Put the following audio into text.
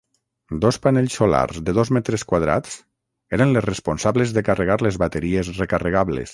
Dos panells solars de dos metres quadrats eren les responsables de carregar les bateries recarregables.